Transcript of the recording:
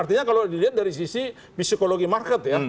artinya kalau dilihat dari sisi psikologi market ya